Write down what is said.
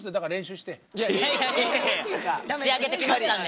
いやいやいや仕上げてきましたんで。